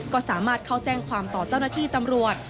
ก็สามารถเข้าแจ้งความต่อเจ้าหน้าที่ตำรวจ